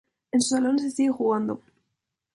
En sus salones se sigue jugando.